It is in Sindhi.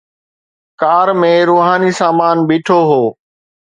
ڪار ۾ روحاني سامان بيٺو هو.